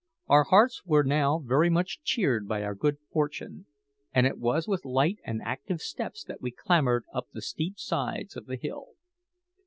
Our hearts were now very much cheered by our good fortune, and it was with light and active steps that we clambered up the steep sides of the hill.